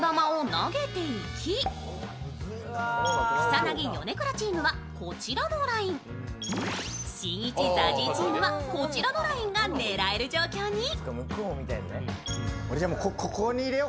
草薙・米倉チームはこちらのラインしんいち・ＺＡＺＹチームはこちらのラインが狙える状況に。